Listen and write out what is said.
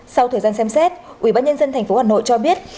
sau thời gian xem xét ubnd tp hà nội cho biết